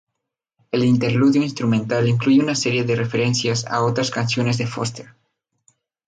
El interludio instrumental incluye una serie de referencias a otras canciones de Foster.